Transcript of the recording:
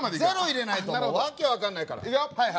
０入れないと訳分かんないからいくよ